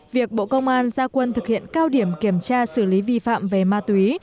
việc bộ công an gia quân thực hiện cao điểm kiểm tra xử lý vi phạm về ma túy